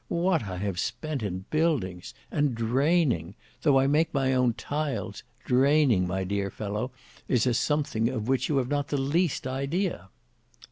What I have spent in buildings! And draining! Though I make my own tiles, draining, my dear fellow, is a something of which you have not the least idea!"